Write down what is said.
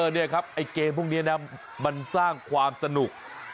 นี่ครับไอ้เกมพวกนี้นะมันสร้างความสนุก